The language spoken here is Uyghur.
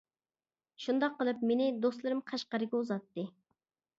شۇنداق قىلىپ مېنى دوستلىرىم قەشقەرگە ئۇزاتتى.